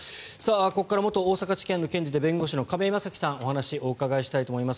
ここから元大阪地検の検事で弁護士の亀井正貴さんにお話をお伺いしたいと思います。